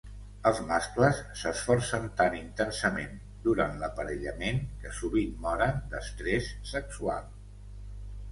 Els mascles s'esforcen tan intensament durant l'aparellament que sovint moren d'estrès sexual.